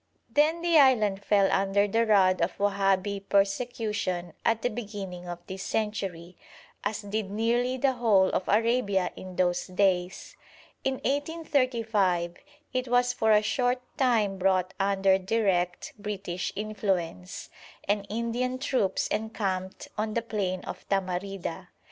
Then the island fell under the rod of Wahabi persecution at the beginning of this century, as did nearly the whole of Arabia in those days. In 1835 it was for a short time brought under direct British influence, and Indian troops encamped on the plain of Tamarida.